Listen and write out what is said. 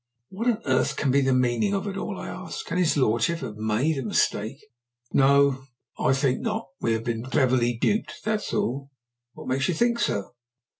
"What on earth can be the meaning of it all?" I asked. "Can his lordship have made a mistake?" "No, I think not. We have been cleverly duped, that's all." "What makes you think so?"